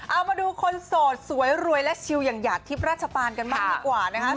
เอามาดูคนโสดสวยรวยและชิลอย่างหยาดทิพย์ราชปานกันบ้างดีกว่านะคะ